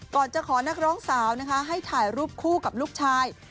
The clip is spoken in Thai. ก่อนจะขอนักร้องสาวนะคะให้ถ่ายรูปคู่กับลูกชาย